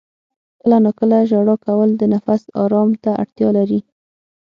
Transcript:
• کله ناکله ژړا کول د نفس آرام ته اړتیا لري.